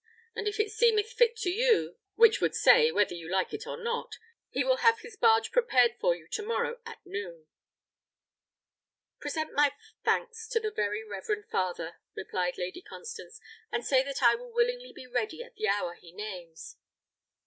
And if it seemeth fit to you (which would say, whether you like it or not) he will have his barge prepared for you to morrow at noon." "Present my thanks unto the very reverend father," replied Lady Constance, "and say that I will willingly be ready at the hour he names."